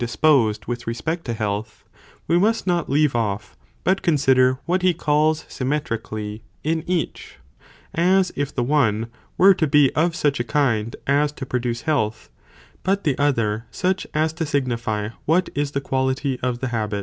dis posed with respect to health, we must not leave off, but con sider what he calls symmetrically, in each, as if the one, were to be of sucha kind, as to produce health, but the other, such as to signify, what is the quality of the habit.